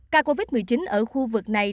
ca covid một mươi chín ở khu vực này